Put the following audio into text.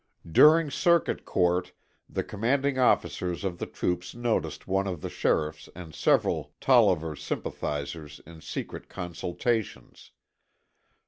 During Circuit Court the commanding officers of the troops noticed one of the sheriffs and several Tolliver sympathizers in secret consultations.